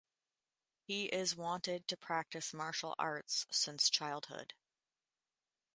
He is wanted to practice martial arts since childhood.